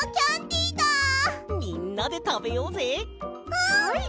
はい！